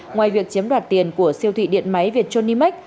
ngoài việc chiếm đoạt tiền của siêu thị điện máy việt trô ni mách